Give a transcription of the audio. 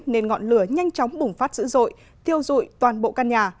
nên ngọn lửa nhanh chóng bùng phát dữ dội thiêu dụi toàn bộ căn nhà